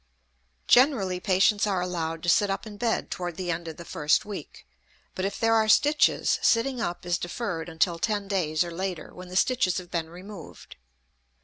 Generally patients are allowed to sit up in bed toward the end of the first week, but if there are stitches, sitting up is deferred until ten days or later, when the stitches have been removed.